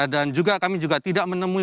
dan juga kami juga tidak menemui